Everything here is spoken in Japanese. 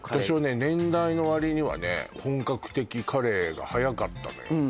私はね年代の割にはね本格的カレーが早かったのよ